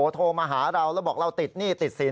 โทรมาหาเราแล้วบอกเราติดหนี้ติดสิน